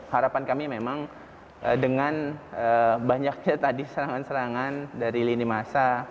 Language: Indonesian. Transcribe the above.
harapan kami memang dengan banyaknya tadi serangan serangan dari lini masa